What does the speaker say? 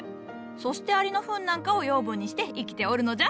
そしてアリのフンなんかを養分にして生きておるのじゃ。